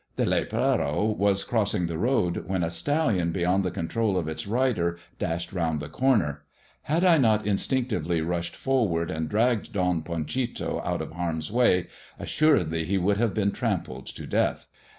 The lepero was crossing the road, f when a stallion beyond the control of its rider dashed round ' the corner. Had I not instinctively rushed forward and dragged Don Panchito out of harm's way, assuredly he would have been trampled to death.